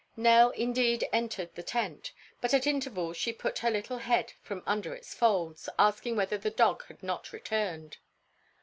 Nell indeed entered the tent, but at intervals she put out her little head from under its folds, asking whether the dog had not returned.